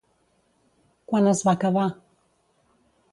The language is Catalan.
Quan es va cavar?